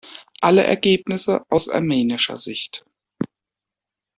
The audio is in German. Alle Ergebnisse aus Armenischer Sicht.